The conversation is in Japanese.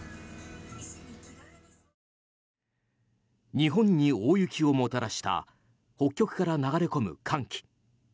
日本に大雪をもたらした北極から流れ込む寒気。